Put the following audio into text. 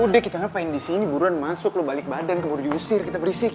udah kita ngapain disini buruan masuk lo balik badan keburu diusir kita berisik